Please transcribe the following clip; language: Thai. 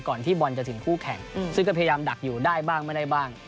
ที่บอลจะถึงคู่แข่งซึ่งก็พยายามดักอยู่ได้บ้างไม่ได้บ้าง